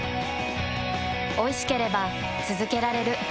おいしければつづけられる。